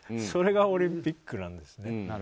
それがオリンピックなんですね。